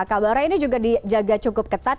kabarnya ini juga dijaga cukup ketat